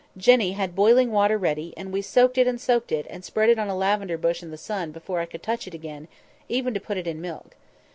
Jenny had boiling water ready, and we soaked it and soaked it, and spread it on a lavender bush in the sun before I could touch it again, even to put it in milk.